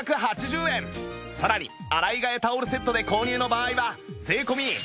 さらに洗い替えタオルセットで購入の場合は税込７７００円